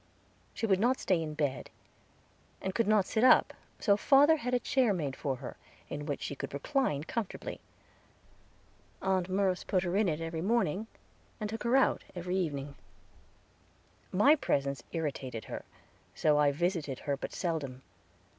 She would not stay in bed, and could not sit up, so father had a chair made for her, in which she could recline comfortably. Aunt Merce put her in it every morning, and took her out every evening. My presence irritated her, so I visited her but seldom.